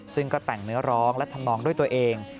ซึ่งก็แต่งเนื้อร้องและทำนองด้วยตัวเอง